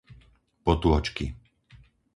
Potôčky